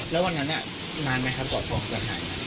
แล้ววันนั้นน่ะนานไหมครับกว่าฟองจะหาย